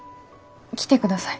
来てください。